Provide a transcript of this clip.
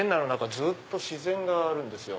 ずっと自然があるんですよ。